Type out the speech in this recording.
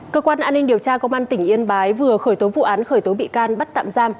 cơ quan an ninh điều tra công an tỉnh yên bái vừa khởi tố vụ án khởi tố bị can bắt tạm giam